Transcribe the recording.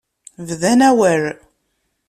Bdan awal.